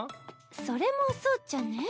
それもそうっちゃね。